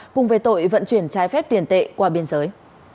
cùng về tội vận chuyển trái phép tiền tệ qua biên giới